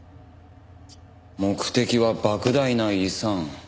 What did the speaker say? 目的は莫大な遺産。